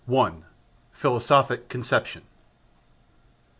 1. Philosophic Conception.